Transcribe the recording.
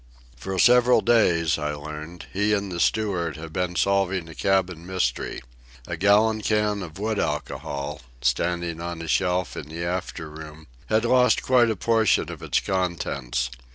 For several days, I learned, he and the steward have been solving a cabin mystery. A gallon can of wood alcohol, standing on a shelf in the after room, had lost quite a portion of its contents.